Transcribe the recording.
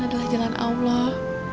adalah jalan allah